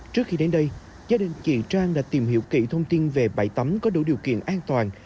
trước khi đến đây gia đình chị trang đã tìm hiểu kỹ thông tin về bãi tắm có đủ điều kiện an toàn